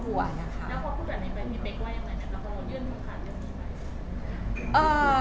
แล้วพอพูดอะไรไปมีเบ็กว่ายังไงแล้วพอโดยเยื่อนมือขาดเรื่องนี้ไหม